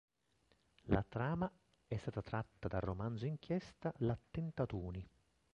La trama è stata tratta dal romanzo-inchiesta "L'attentatuni.